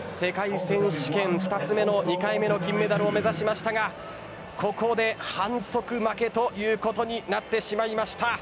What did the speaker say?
東京オリンピック銀メダリスト渡名喜風南、世界選手権２つ目の２回目の金メダルを目指しましたがここで反則負けということになってしまいました。